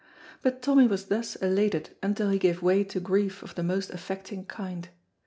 But Tommy was thus elated until he gave way to grief of the most affecting kind.